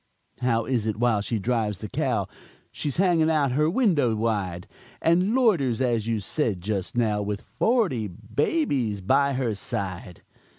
"How is it while she drives the cow She's hanging out her window wide, And loiters, as you said just now, With forty babies by her side?"